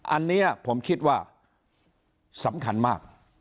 อันนี้ผมคิดว่าสำคัญมาก